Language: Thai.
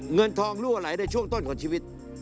เงินทองรั่วไหลในช่วงต้นของชีวิต